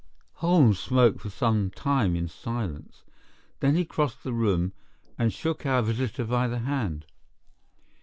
Holmes smoked for some time in silence. Then he crossed the room, and shook our visitor by the hand.